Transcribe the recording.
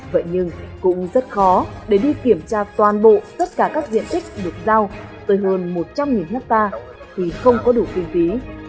vậy nhưng cũng rất khó để đi kiểm tra toàn bộ tất cả các diện tích được giao tới hơn một trăm linh hectare vì không có đủ kinh phí